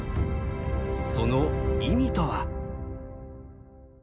その意味とは？